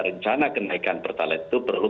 rencana kenaikan pertalite itu perlu